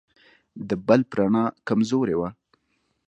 د بلب رڼا کمزورې وه.